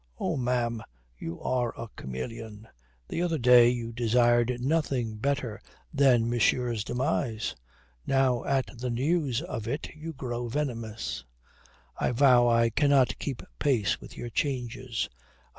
"Oh, ma'am, you are a chameleon. The other day you desired nothing better than monsieur's demise. Now at the news of it you grow venomous. I vow I cannot keep pace with your changes.